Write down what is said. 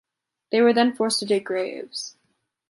They were then forced to dig graves.